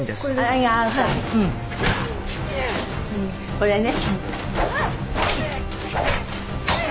これね。